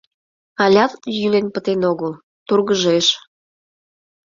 Алят йӱлен пытен огыл, тургыжеш...